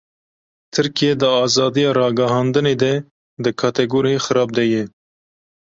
Tirkiye di azadiya ragihandinê de di kategoriya "xerab" de ye.